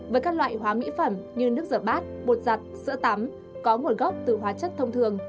với các loại hóa mỹ phẩm như nước rửa bát bột giặt sữa tắm có nguồn gốc từ hóa chất thông thường